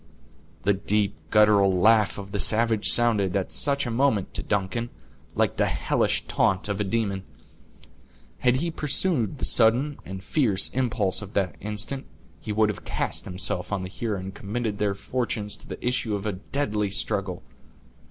The deep guttural laugh of the savage sounded, at such a moment, to Duncan, like the hellish taunt of a demon. Had he pursued the sudden and fierce impulse of the instant, he would have cast himself on the Huron, and committed their fortunes to the issue of a deadly struggle.